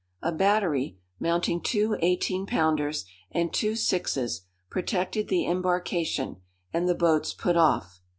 A battery, mounting two eighteen pounders and two sixes, protected the embarkation, and the boats put off.